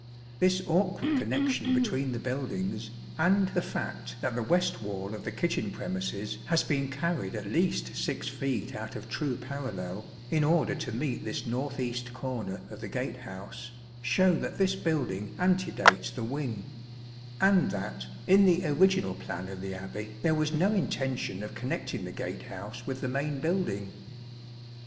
This awkward connection between the buildings, and the fact that the west wall of the kitchen premises has been carried at least 6 feet out of true parallel, in order to meet this north east corner of the gate house, show that this building antedates the wing ; and that, in the original plan of the Abbey, there was no intention of connecting the gate house with the main building.